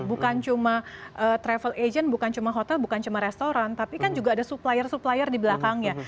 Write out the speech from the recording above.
bukan cuma travel agent bukan cuma hotel bukan cuma restoran tapi kan juga ada supplier supplier di belakangnya